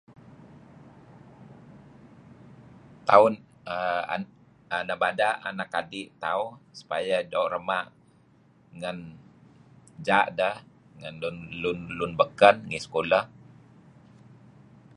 Tauh err nebada' anak adi' tauh supaya doo' rema' ngen ja' deh, ngen lun lun beken ngi sekulah.